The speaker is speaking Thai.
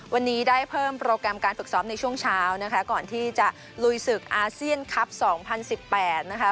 วันนี้ได้เพิ่มโปรแกรมการฝึกซ้อมในช่วงเช้านะคะก่อนที่จะลุยศึกอาเซียนคลับ๒๐๑๘นะคะ